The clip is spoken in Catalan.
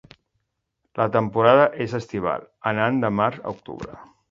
La temporada és estival, anant de març a octubre.